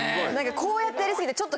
こうやってやり過ぎてちょっと。